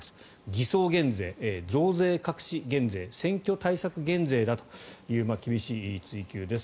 偽装減税、増税隠し減税選挙対策減税だという厳しい追及です。